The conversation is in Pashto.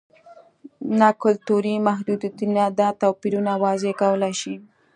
نه کلتوري محدودیتونه دا توپیرونه واضح کولای شي.